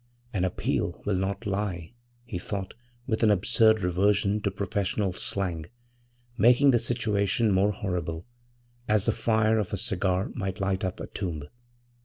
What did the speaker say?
'An appeal will not lie,' he thought, with an absurd reversion to professional slang, making the situation more horrible, as the fire of a cigar might light up a tomb.